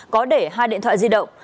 có để hai điện thoại di động